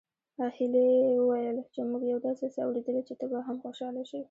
هيلې وويل چې موږ يو داسې څه اورېدلي چې ته به هم خوشحاله شې